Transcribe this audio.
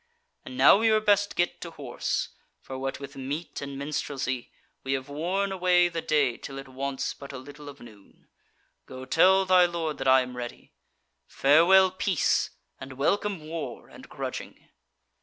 And now we were best get to horse; for what with meat and minstrelsy, we have worn away the day till it wants but a little of noon. Go tell thy lord that I am ready. Farewell peace, and welcome war and grudging!"